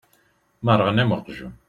Merrɣeɣ am uqjun.